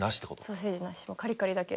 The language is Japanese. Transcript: ソーセージなしのカリカリだけ。